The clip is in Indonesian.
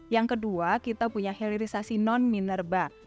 yang kedua kita punya hilirisasi non minerba